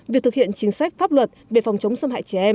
việc thực hiện chính sách pháp luật về phòng chống xâm hại trẻ em